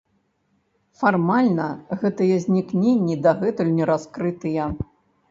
Фармальна, гэтыя знікненні дагэтуль не раскрытыя.